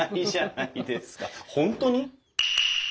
本当に？